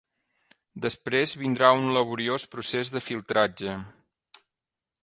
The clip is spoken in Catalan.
Després vindrà un laboriós procés de filtratge.